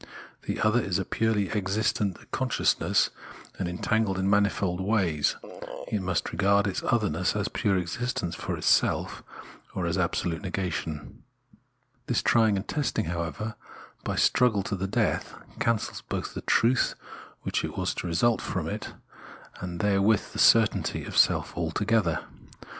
The other is a purely' existent con sciousness and entangled in manifold \vays ; it must regard its otherness as pure existence for itself or as absolute negation. This trying and testing, however, by a struggle to the death, cancels both the truth which was to result from it, and therewith the certainty of self altogether.